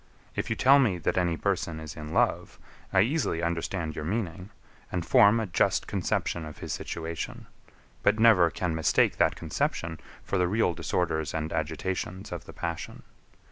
If you tell me, that any person is in love, I easily understand your meaning, and form a just conception of his situation; but never can mistake that conception for the real disorders and agitations of the passion.